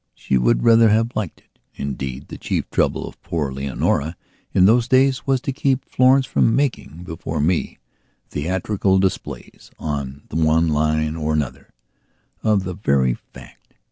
She would rather have liked it. Indeed, the chief trouble of poor Leonora in those days was to keep Florence from making, before me, theatrical displays, on one line or another, of that very fact.